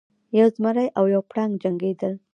یو زمری او یو پړانګ جنګیدل.